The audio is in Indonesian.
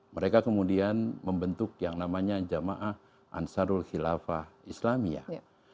mereka juga membentuk yang namanya jemaah ansarul khilafah islamiyah